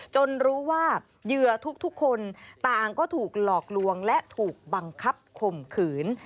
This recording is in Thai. รู้ว่าเหยื่อทุกคนต่างก็ถูกหลอกลวงและถูกบังคับข่มขืน